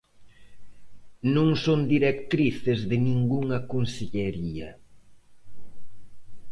Non son directrices de ningunha consellería.